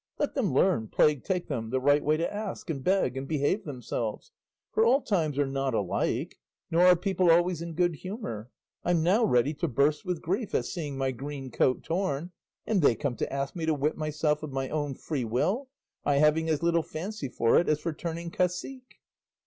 Let them learn, plague take them, the right way to ask, and beg, and behave themselves; for all times are not alike, nor are people always in good humour. I'm now ready to burst with grief at seeing my green coat torn, and they come to ask me to whip myself of my own free will, I having as little fancy for it as for turning cacique."